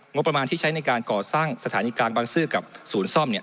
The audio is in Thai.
งบประมาณที่ใช้ในการก่อสร้างสถานีกลางบางซื่อกับศูนย์ซ่อมเนี่ย